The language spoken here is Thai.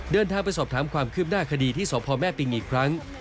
เดินทางไปสอบถามความคืบหน้าคดีที่สพแม่ปิงอีกครั้ง